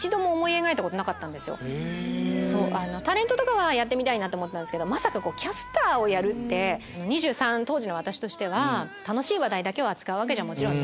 タレントはやってみたいと思ったんですけどまさかキャスターをやるって２３当時の私としては楽しい話題だけを扱うわけじゃもちろん